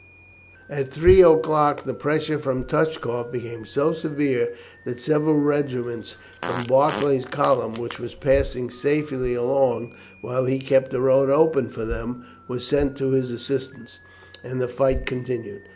At three o'clock the pressure upon Touchkoff became so severe that several regiments from Barclay's column, which was passing safely along while he kept the road open for them, were sent to his assistance, and the fight continued.